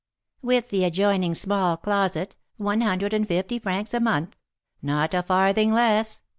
"With the adjoining small closet, one hundred and fifty francs a month, not a farthing less.